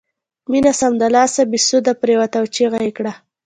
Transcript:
مينه سمدلاسه بې سده پرېوته او چيغه یې کړه